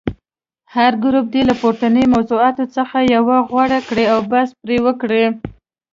هر ګروپ دې له پورتنیو موضوعاتو څخه یوه غوره کړي او بحث پرې وکړي.